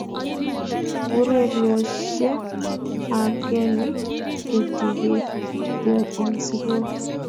ureriosiek ab keny ketikeyoe en sukul